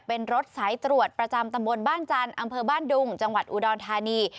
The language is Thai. เป็นรถสายตรวจประจำตำบลบ้านจันทร์อำเภอบ้านดุงจังหวัดอุดรธานี